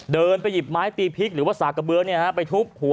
เดินไปหยิบไม้ตีพริกหรือว่าสากะเบือไปทุบหัว